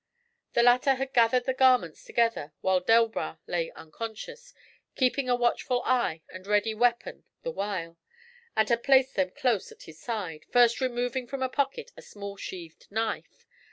The latter had gathered the garments together while Delbras lay unconscious, keeping a watchful eye and ready weapon the while, and had placed them close at his side, first removing from a pocket a small sheathed knife.